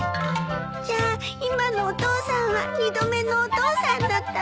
じゃあ今のお父さんは二度目のお父さんだったのね。